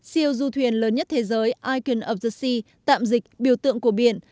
siêu du thuyền lớn nhất thế giới icon of the sea tạm dịch biểu tượng của biển